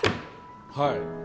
はい。